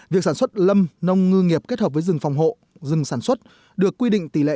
việc sản xuất lâm nông ngư nghiệp kết hợp với rừng phòng hộ rừng sản xuất được quy định tỷ lệ